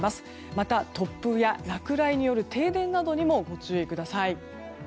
また突風や落雷による停電などにご注意ください。